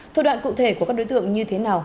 thủ đoạn cụ thể của các đối tượng như thế nào